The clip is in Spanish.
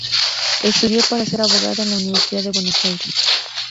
Estudió para ser abogada en la Universidad de Buenos Aires.